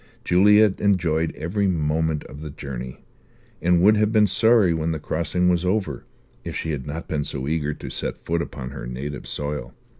Juliet enjoyed every moment of the journey; and would have been sorry when the crossing was over if she had not been so eager to set foot upon her native soil.